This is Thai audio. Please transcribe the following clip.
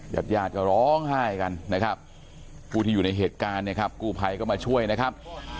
ยาท่าจะร้องไห้กันนะครับผู้ที่อยู่ในเหตุการณ์กูภัยก็มาช่วยนะครับ